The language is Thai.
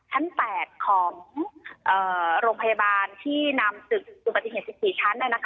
ชั้น๘ของโรงพยาบาลที่นำตึกอุบัติเหตุ๑๔ชั้น